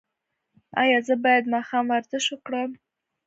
ایا زه باید ماښام ورزش وکړم؟